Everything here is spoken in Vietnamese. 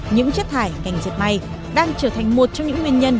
những chất thải ngành diệt may đang trở thành một trong những nguyên nhân